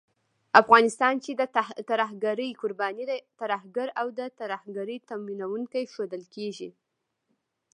افغانستان چې د ترهګرۍ قرباني دی، ترهګر او د ترهګرۍ تمويلوونکی ښودل کېږي